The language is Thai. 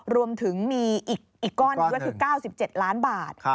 รวมถึงมีอีกก้อนหนึ่งก็คือ๙๗ล้านบาท